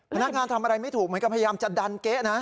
พนักงานทำอะไรไม่ถูกเหมือนกับพยายามจะดันเก๊ะนะ